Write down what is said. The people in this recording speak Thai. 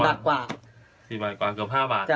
๔บาทกว่าเกือบ๕บาท